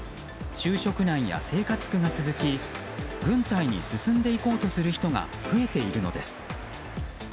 就職難や生活苦が続き軍隊に進んでいこうとする人が増えているのです。